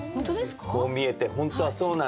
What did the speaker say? こう見えて本当はそうなんですよ。